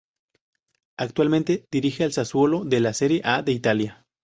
Actualmente dirige al Sassuolo de la Serie A de Italia.